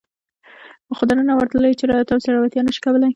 خو دننه ورتلو هېڅ جرئت او زړورتیا نشي کولای.